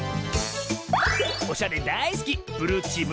おしゃれだいすき